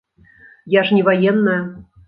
Я ж не ваенная.